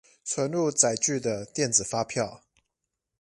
存入載具的電子發票